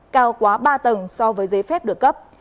cao quá ba tầng so với giấy phép được cấp